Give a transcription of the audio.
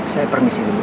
saya permisi dulu